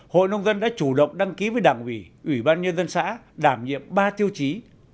hội nông dân đã chủ động đăng ký với đảng ủy ủy ban nhân dân xã đảm nhiệm ba tiêu chí